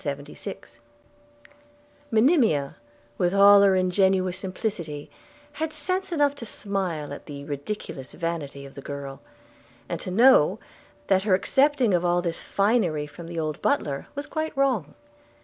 Monimia, with all her ingenuous simplicity, had sense enough to smile at the ridiculous vanity of the girl; and to know, that her accepting all this finery from the old butler was quite wrong.